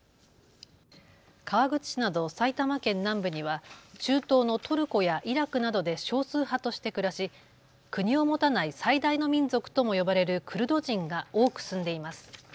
川口市など埼玉県南部には中東のトルコやイラクなどで少数派として暮らし国を持たない最大の民族とも呼ばれるクルド人が多く住んでいます。